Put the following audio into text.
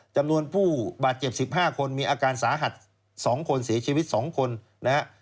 จำนวนผู้บาดเจ็บ๑๕คนมีอาการสาหัส๒คนเสียชีวิต๒คนนะฮะ